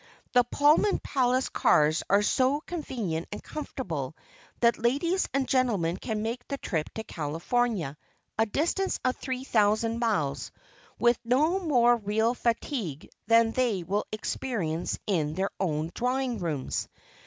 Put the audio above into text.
The Pullman Palace Cars are so convenient and comfortable that ladies and gentlemen can make the trip to California, a distance of 3,000 miles, with no more real fatigue than they will experience in their own drawing rooms.